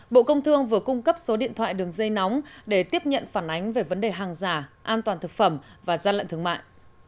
bộ công thương vừa cung cấp số điện thoại đường dây nóng để tiếp nhận phản ánh về vấn đề hàng giả an toàn thực phẩm và gian lận thương mại